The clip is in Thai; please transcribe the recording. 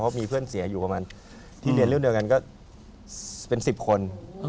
เพราะมีเพื่อนเสียอยู่ประมาณที่เรียนเรื่องเดียวกันก็เป็น๑๐คน